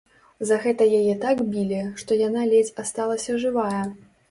За гэта яе так білі, што яна ледзь асталася жывая.